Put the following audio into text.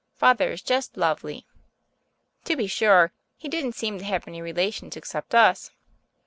Father is just lovely. To be sure, he didn't seem to have any relations except us.